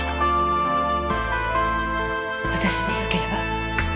私でよければ。